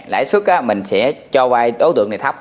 lãi suất mình sẽ cho vai đối tượng này thấp